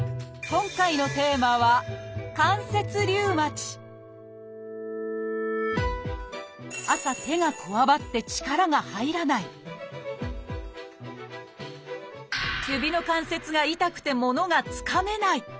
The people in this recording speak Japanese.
今回のテーマは朝手がこわばって力が入らない指の関節が痛くて物がつかめない。